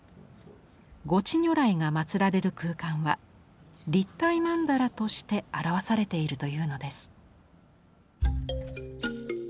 五智如来が祀られる空間は立体曼荼羅として表されているというのです。